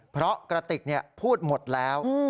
เพราะกระติกพูดหมดแล้ว